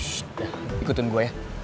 shh dah ikutin gue ya